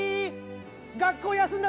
学校休んだ